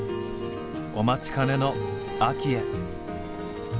お待ちかねの秋へ。